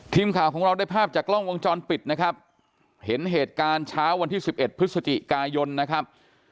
ทีมข่าวของเราได้ภาพจากล้องวงจรปิดนะครับเห็นเหตุแสตงค์ช้าวันที่๑๑พฤศจิกายล่มครับ